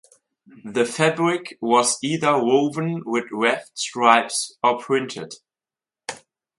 The fabric was either woven with weft stripes or printed.